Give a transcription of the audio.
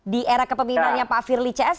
di era kepemimpinannya pak firly cs